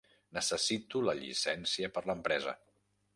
Necessito la llicència per l'empresa.